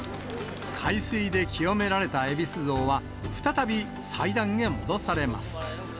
海水で清められたえびす像は、再び祭壇へ戻されます。